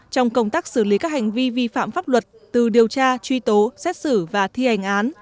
trong công tác xử lý các hành vi vi phạm pháp luật từ điều tra truy tố xét xử và thi hành án